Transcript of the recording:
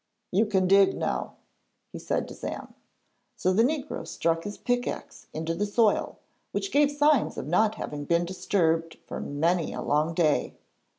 'You can dig now,' he said to Sam. So the negro struck his pickaxe into the soil, which gave signs of not having been disturbed for many a long day.